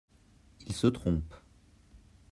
Il se trompe.